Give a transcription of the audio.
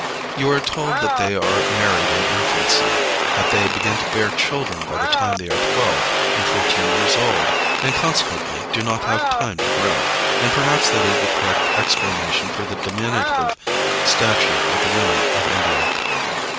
You are told that they are married in infancy, that they begin to bear children by the time they are 12 and 14 years old, and consequently do not have time to grow; and perhaps that is the correct explanation for the diminutive stature of the women of India.